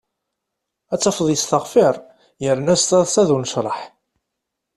Ad tafeḍ yesteɣfir yerna s taḍsa d unecraḥ.